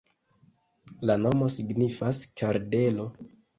La nomo signifas: kardelo.